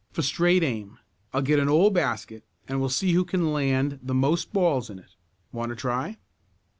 "For straight aim. I'll get an old basket, and we'll see who can land the most balls in it. Want to try?"